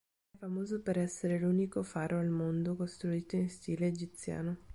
È famoso per essere l'unico faro al mondo costruito in stile egiziano.